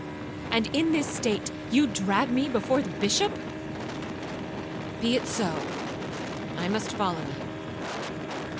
—and in this state you drag me before the Bishop! Be it so, I must follow you.'